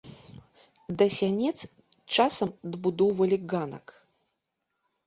Да сянец часам дабудоўвалі ганак.